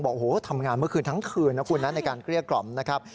บอกว่าทำงานเมื่อคืนทั้งคืนแล้วคุณนั้นในการเกลี้ยกกล่อมนะครับ